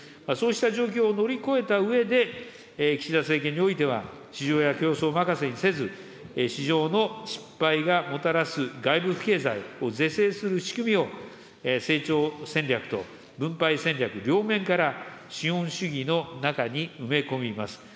そうした状況を乗り越えたうえで、岸田政権においては市場や競争任せにせず、市場の失敗がもたらす外部不経済を是正する仕組みを、成長戦略と分配戦略、両面から、資本主義の中に埋め込みます。